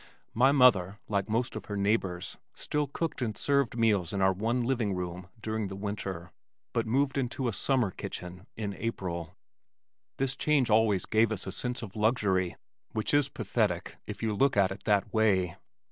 My mother, like most of her neighbors, still cooked and served meals in our one living room during the winter but moved into a "summer kitchen" in April. This change always gave us a sense of luxury which is pathetic, if you look at it that way.